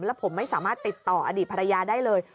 แล้วผมไม่สามารถติดต่ออดีตภรรยาได้เลย